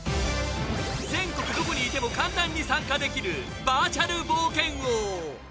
全国どこにいても簡単に参加できるバーチャル冒険王。